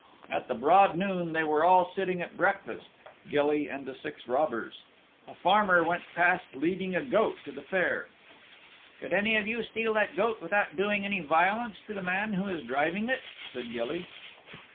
At the broad noon they were all sitting at breakfast Gilly and the six robbers. A farmer went past leading a goat to the fair. "Could any of you steal that goat without doing any violence to the man who is driving it?" said Gilly.